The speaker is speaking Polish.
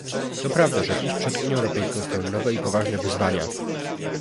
To prawda, że dziś przed Unią Europejską stoją nowe i poważne wyzwania